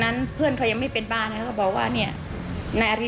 สนุนโดยสายการบินไทยนครปวดท้องเสียขับลมแน่นท้อง